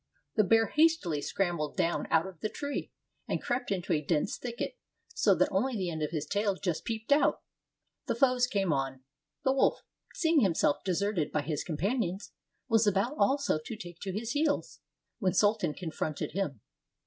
The bear hastily scrambled down out of the tree, and crept into a dense thicket, so that only just the end of his tail peeped out. The foes came on. The wolf, seeing himself deserted by his companions, was about also to take to his heels, when Sultan confronted him.